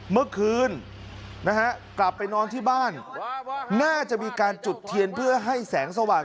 เมื่อคืนนะฮะกลับไปนอนที่บ้านน่าจะมีการจุดเทียนเพื่อให้แสงสว่าง